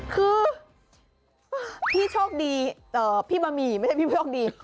คือพี่โชคดีพี่บะหมี่ไม่ใช่พี่โชคดี